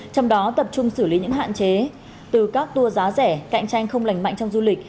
trong đó tập trung xử lý những hạn chế từ các tour giá rẻ cạnh tranh không lành mạnh trong du lịch